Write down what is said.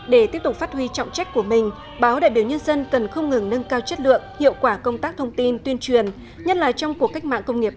để tiếp tục phát huy trọng trách của mình báo đại biểu nhân dân cần không ngừng nâng cao chất lượng hiệu quả công tác thông tin tuyên truyền nhất là trong cuộc cách mạng công nghiệp bốn